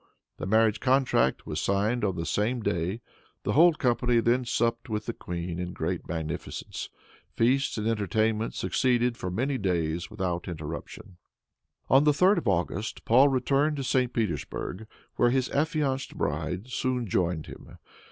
The marriage contract was signed the same day. The whole company then supped with the queen in great magnificence. Feasts and entertainments succeeded for many days without interruption. On the 3d of August, Paul returned to St. Petersburg, where his affianced bride soon joined him.